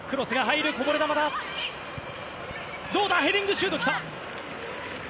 ヘディングシュート来た！